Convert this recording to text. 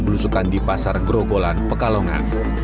berusukan di pasar grogolan pekalongan